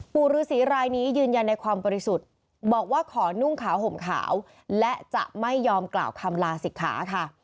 ปู่ฤษีรายนี้ยืนยันในความบริสุทธิ์บอกว่าขอนุ่งขาวห่มขาวและจะไม่ยอมกล่าวคำลาศิกขาค่ะ